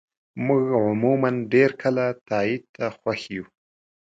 موږ عموماً ډېر کله تایید ته خوښ یو.